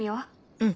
うん。